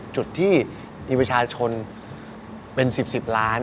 จุดที่มีประชาชนเป็น๑๐๑๐ล้าน